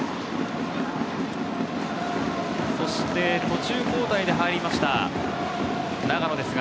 途中交代で入りました、長野。